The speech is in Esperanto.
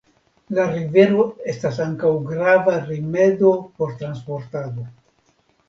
La rivero estas ankaŭ grava rimedo por transportado.